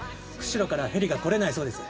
釧路からヘリが来れないそうです。